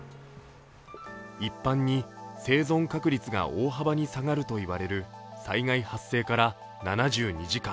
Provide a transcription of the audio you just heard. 一般に生存確率が大幅に下がるといわれる災害発生から７２時間。